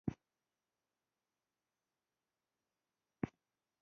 • خندا ذهن ته سکون ورکوي.